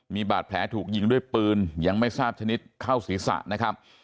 มีบาดแผลถูกยิงด้วยปืนยังไม่ทราบชนิดเข้าศีรษะนะครับ